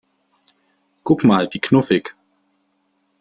Guck mal, wie knuffig!